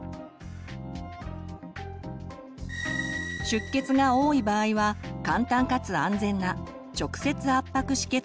出血が多い場合は簡単かつ安全な直接圧迫止血